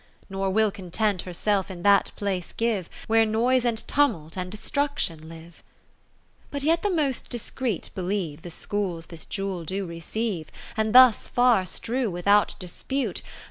Nor will Content herself in that place give, Where Noise and Tumult and Destruction live. VII But yet the most discreet believe, The Schools this jewel do receive, And thus far's true without dispute.